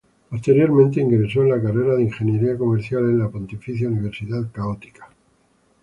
Posteriormente ingresó a la carrera de ingeniería comercial en la Pontificia Universidad Católica.